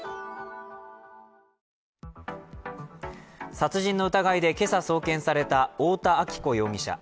殺人の疑いで今朝送検された太田亜紀子容疑者。